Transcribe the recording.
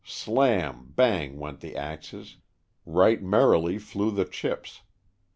Slam, bang went the axes; right merrily flew the chips.